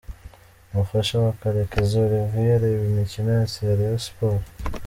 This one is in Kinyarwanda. Umufasha wa Karekezi Olivier areba imikino yose ya Rayon Sports.